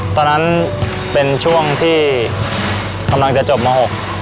ตอนนั้นเป็นช่วงที่กำลังจะจบม๖